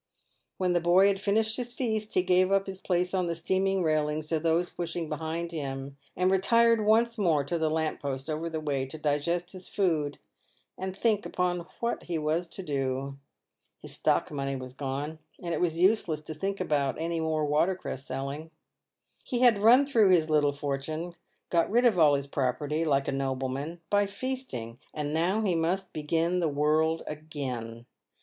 When the boy had finished his feast, he gave up his place on the steaming railings to those pushing behind him, and retired once more to the lamp post over the way to digest his food and think upon what he was to do. His stock money was gone, and it was useless to think any more about water cress selling. He had run through his little fortune, got rid of all his property, like a nobleman, by feasting, and now he must begin the world again.